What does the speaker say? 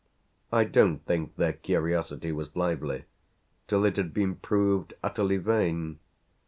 I don't think their curiosity was lively till it had been proved utterly vain.